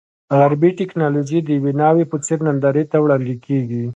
غربي ټکنالوژي د یوې ناوې په څېر نندارې ته وړاندې کېږي.